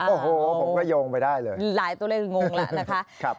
โอ้โหผมก็โยงไปได้เลยหลายตัวเลขงงแล้วนะคะ